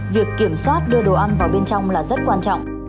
việc kiểm soát đưa đồ ăn vào bên trong là rất quan trọng